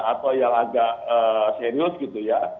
atau yang agak serius gitu ya